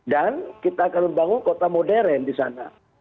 dan kita akan membangun kota modern di sana